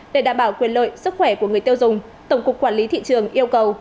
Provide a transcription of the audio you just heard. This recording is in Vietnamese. để đảm bảo quyền lợi sức khỏe của người tiêu dùng tổng cục quản lý thị trường yêu cầu